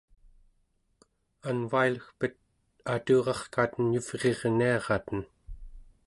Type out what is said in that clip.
anvailegpet aturarkaten yuvrirniaraten